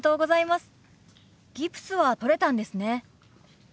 ギプスは取れたんですね。